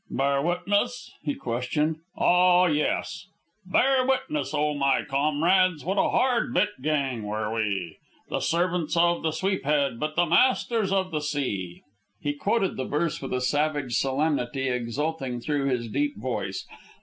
"Bear witness?" he questioned. "Ah, yes! "'Bear witness, O my comrades, what a hard bit gang were we, The servants of the sweep head, but the masters of the sea!'" He quoted the verse with a savage solemnity exulting through his deep voice.